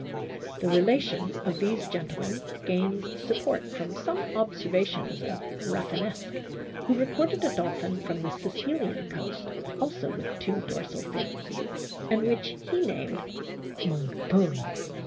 The relation of these gentlemen gains support from some observations of Rafinesque, who recorded a dolphin from the Sicilian coast also with two dorsal fins, and which he named " Mongitore."